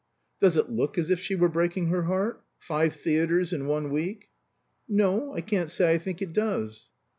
"Does it look as if she were breaking her heart? Five theatres in one week." "No; I can't say I think it does."